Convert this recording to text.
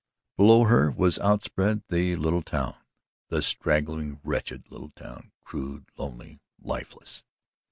Below her was outspread the little town the straggling, wretched little town crude, lonely, lifeless!